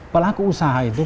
pelaku usaha itu